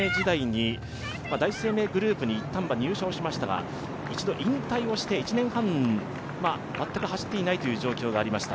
第一生命グループにいったんは入社をしましたが一度引退をして１年半、全く走っていないという状況がありました。